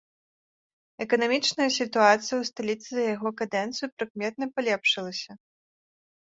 Эканамічная сітуацыя ў сталіцы за яго кадэнцыю прыкметна палепшылася.